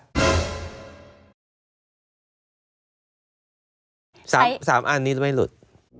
๓อันนี้จะไม่หลุด